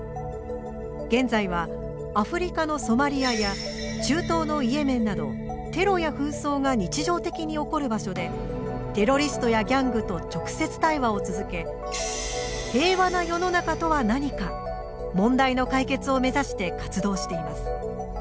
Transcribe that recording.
現在はアフリカのソマリアや中東のイエメンなどテロや紛争が日常的に起こる場所でテロリストやギャングと直接対話を続け平和な世の中とは何か問題の解決を目指して活動しています